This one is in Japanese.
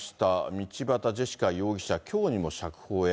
道端ジェシカ容疑者、きょうにも釈放へ。